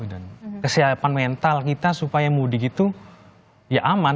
dan kesiapan mental kita supaya mudik itu ya aman